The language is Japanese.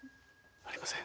ありません。